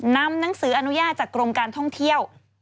นำหนังสืออนุญาตจากกรมการท่องเที่ยว